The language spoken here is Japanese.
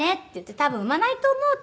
「多分産まないと思う」って。